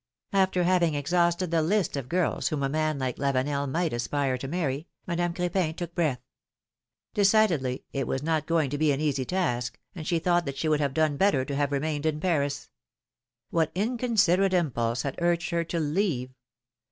After having exhausted the list of girls whom a man like Lavenel might aspire to marry, Madame Crepin took breath. Decidedly, it was not going to be an easy task, and she thought she would have done better to have 294 PHILOMilNE^S MARRIAGES. remained in Paris. What inconsiderate impulse had urged her to leave?